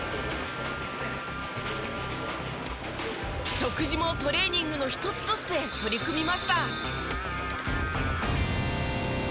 食事もトレーニングの一つとして取り組みました。